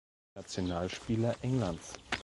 Nationalspieler Englands.